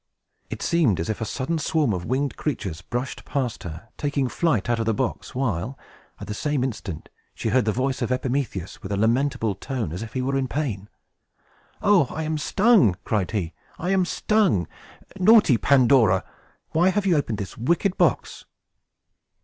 It seemed as if a sudden swarm of winged creatures brushed past her, taking flight out of the box, while, at the same instant, she heard the voice of Epimetheus, with a lamentable tone, as if he were in pain. [Illustration: PANDORA OPENS THE BOX] "Oh, I am stung!" cried he. "I am stung! Naughty Pandora! why have you opened this wicked box?"